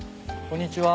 こんにちは。